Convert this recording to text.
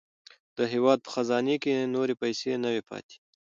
د هېواد په خزانې کې نورې پیسې نه وې پاتې.